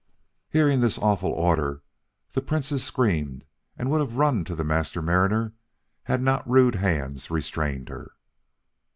Hearing this awful order, the Princess screamed and would have run to the Master Mariner, had not rude hands restrained her.